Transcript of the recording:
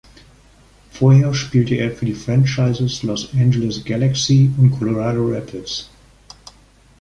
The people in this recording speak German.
Vorher spielte er für die Franchises Los Angeles Galaxy und Colorado Rapids.